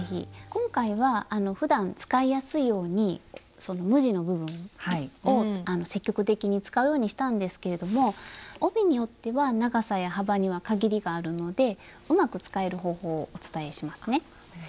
今回はふだん使いやすいように無地の部分を積極的に使うようにしたんですけれども帯によっては長さや幅には限りがあるのでうまく使える方法をお伝えしますね。